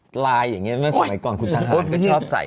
กลายอย่างเงี้ยไม่คุณไหมก่อนคุณทหารก็ชอบใส่